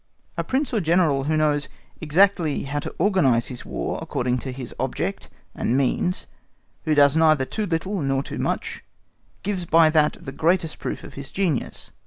A Prince or General who knows exactly how to organise his War according to his object and means, who does neither too little nor too much, gives by that the greatest proof of his genius.